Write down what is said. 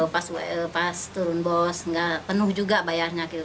pas turun bos nggak penuh juga bayarnya gitu